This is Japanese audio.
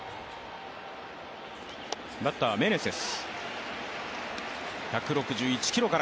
バッターはメネセス。